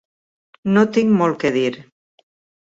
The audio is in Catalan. No tinc molt que dir.